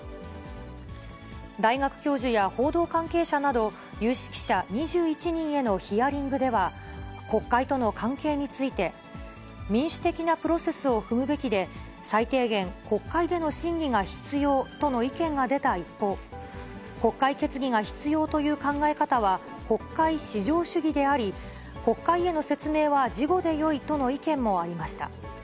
大学教授や報道関係者など、有識者２１人へのヒアリングでは、国会との関係について、民主的なプロセスを踏むべきで、最低限、国会での審議が必要との意見が出た一方、国会決議が必要という考え方は、国会至上主義であり、国会への説明は事後でよいとの意見もありました。